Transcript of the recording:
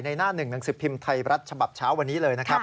หน้าหนึ่งหนังสือพิมพ์ไทยรัฐฉบับเช้าวันนี้เลยนะครับ